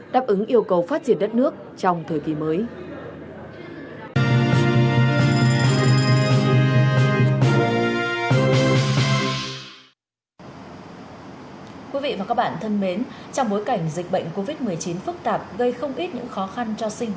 đáp ứng yêu cầu phát triển đất nước trong thời kỳ mới